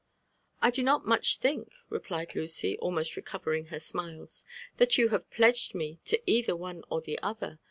*< I do not macb fliiok," repUed Luey, almort tecoTerlogb^r smitoi, '' that you have pledged me to either ond or the other.